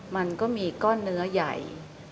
มันก็มีก้อนเนื้อใหญ่